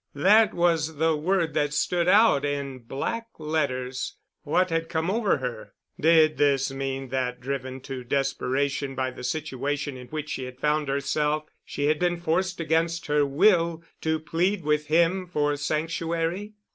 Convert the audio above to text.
That was the word that stood out in black letters. What had come over her? Did this mean that driven to desperation by the situation in which she had found herself she had been forced against her will to plead with him for sanctuary?